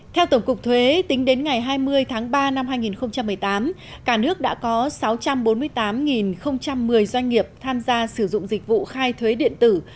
theo tổng cục thuế tính đến ngày hai mươi tháng ba năm hai nghìn một mươi tám cả nước đã có sáu trăm bốn mươi tám một mươi doanh nghiệp tham gia sử dụng dịch vụ khai thuế điện tử